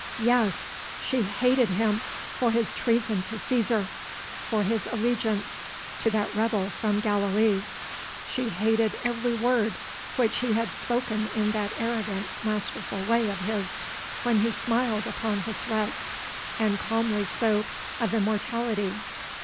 Yes! She hated him for his treason to Cæsar, for his allegiance to that rebel from Galilee; she hated every word which he had spoken in that arrogant, masterful way of his, when he smiled upon her threats and calmly spoke of immortality.